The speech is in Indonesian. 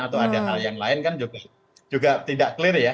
atau ada hal yang lain kan juga tidak clear ya